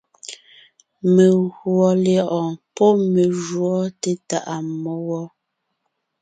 Meguɔ lyɛ̌ʼɔɔn pɔ́ me júɔ té tàʼa mmó wɔ.